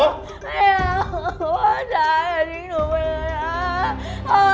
ไม่เอาพ่อจ๋าอย่าทิ้งหนูไปเลยนะ